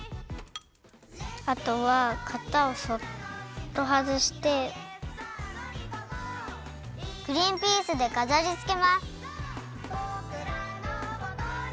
あとはかたをそっとはずしてグリンピースでかざりつけます。